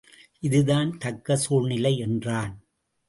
இதுதான் தக்க சூழ்நிலை என்றான்.